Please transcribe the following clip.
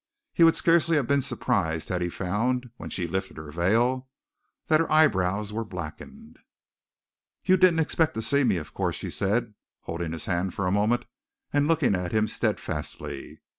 He would scarcely have been surprised had he found, when she lifted her veil, that her eyebrows were blackened. "You didn't expect to see me, of course," she said, holding his hand for a moment, and looking at him steadfastly.